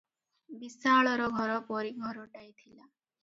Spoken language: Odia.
ବିଶାଳର ଘରପରି ଘରଟାଏ ଥିଲା ।